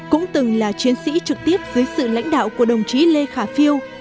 cũng từng là chiến sĩ trực tiếp dưới sự lãnh đạo của đồng chí lê khả phiêu